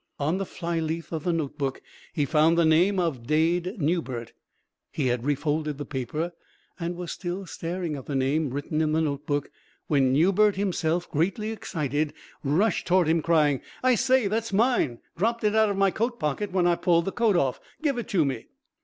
On the fly leaf of the notebook he found the name of Dade Newbert. He had refolded the paper, and was still staring at the name written in the notebook when Newbert himself, greatly excited, rushed toward him, crying: "I say, that's mine! Dropped it out of my coat pocket when I pulled the coat off. Give it to me."